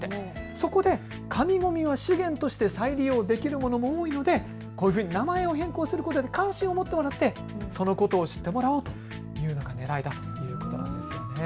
そこで紙ごみは資源として再利用できるものも多いのでこういうふうに名前を変更することで関心を持ってもらってそのことを知ってもらおうというのがねらいだということです。